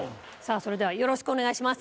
それではよろしくお願いします。